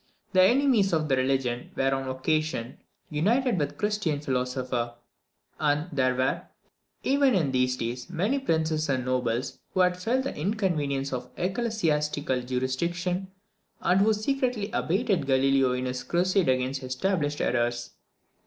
The enemies of religion were on this occasion united with the Christian philosopher; and there were, even in these days, many princes and nobles who had felt the inconvenience of ecclesiastical jurisdiction, and who secretly abetted Galileo in his crusade against established errors.